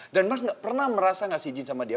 dan mas gak pernah merasa ngasih izin sama dia